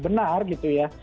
benar gitu ya